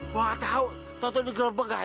bukan tahu tonton di gerbek aja